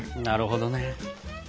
なるほどね。